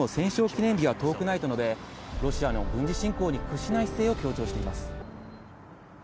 記念日は遠くないと述べ、ロシアの軍事侵攻に屈しない姿勢を強調しています。